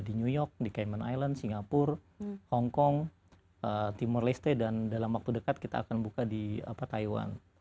di new york di cayman islands singapura hong kong timor leste dan dalam waktu dekat kita akan buka di taiwan